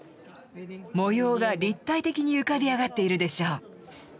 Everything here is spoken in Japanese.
模様が立体的に浮かび上がっているでしょ？